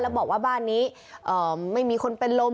แล้วบอกว่าบ้านนี้ไม่มีคนเป็นลม